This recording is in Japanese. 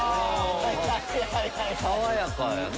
爽やかやな。